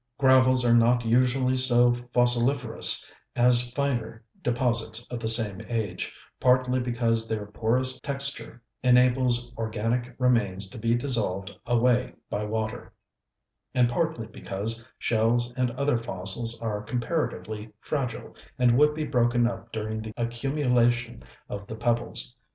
Gravels are not usually so fossiliferous as finer deposits of the same age, partly because their porous texture enables organic remains to be dissolved away by water, and partly because shells and other fossils are comparatively fragile and would be broken up during the accumulation of the pebbles.